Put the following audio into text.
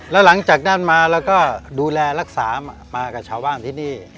แล้วหลังจากนั้นมาเราก็ดูแลรักษามากับชาวบ้านที่นี่